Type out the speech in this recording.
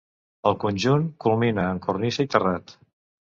El conjunt culmina en cornisa i terrat.